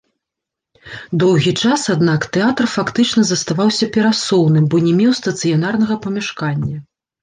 Доўгі час, аднак, тэатр фактычна заставаўся перасоўным, бо не меў стацыянарнага памяшкання.